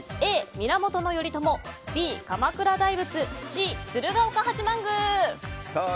Ａ、源頼朝Ｂ、鎌倉大仏Ｃ、鶴岡八幡宮。